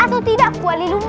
atau tidak kuali lumpur